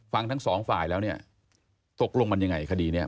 ฟังทั้งสองฝ่ายแล้วเนี่ยตกลงมันยังไงคดีนี้